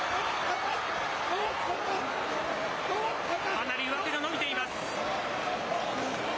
かなり上手が伸びています。